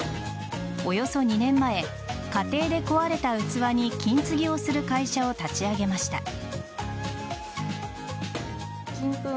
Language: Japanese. およそ２年前家庭で壊れた器に金継ぎをする会社を立ち上げました。